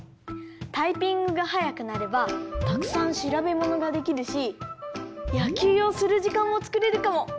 タイピングがはやくなればたくさんしらべものができるしやきゅうをするじかんもつくれるかも。